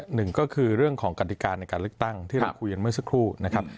หนึ่งก็คือเรื่องของกฎิกาในการเลือกตั้งที่เราคุยกันเมื่อสักครู่นะครับ